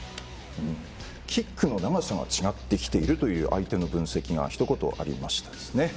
キックの長さが違ってきているという相手の分析がひと言ありました。